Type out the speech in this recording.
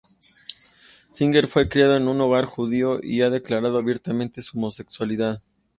Singer fue criado en un hogar judío y ha declarado abiertamente su homosexualidad.